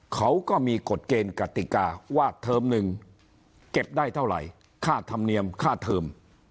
เขาก็มีกฎเกณฑ์กติกาว่าเทอมหนึ่งเก็บได้เท่าไหร่ค่าธรรมเนียมค่าเทอม